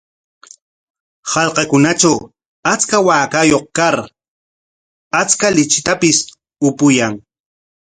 Hallqakunatraw achka waakayuq kar achka lichitapis upuyan.